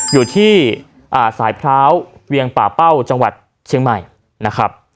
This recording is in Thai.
อยู่ที่สายพร้าวเวียงป่าเป้าจังหวัดเชียงใหม่นะครับ